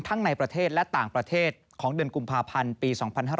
ในประเทศและต่างประเทศของเดือนกุมภาพันธ์ปี๒๕๕๙